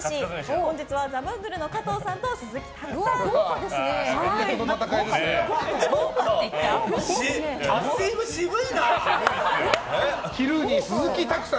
本日はザブングルの加藤さんと鈴木拓さん。